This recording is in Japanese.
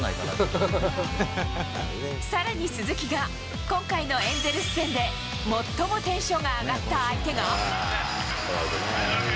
さらに鈴木が、今回のエンゼルス戦で最もテンションが上がった相手が。